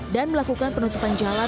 dan melakukan penutupan jalan